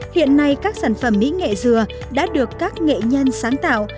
hiện nay các sản phẩm mỹ nghệ dừa đã được các nghệ nhân sáng tạo